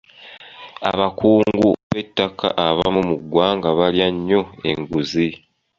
Abakungu b'ettaka abamu mu ggwanga balya nnyo enguzi.